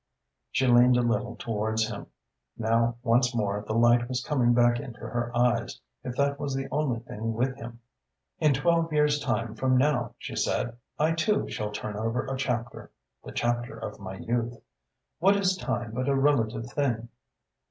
She leaned a little towards him. Now once more the light was coming back into her eyes. If that was the only thing with him! "In twelve years' time from now," she said, "I, too, shall turn over a chapter, the chapter of my youth. What is time but a relative thing?